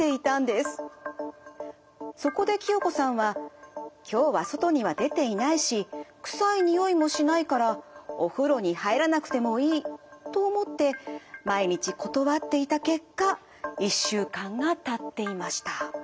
そこで清子さんは「今日は外には出ていないし臭いにおいもしないからお風呂に入らなくてもいい」と思って毎日断っていた結果１週間がたっていました。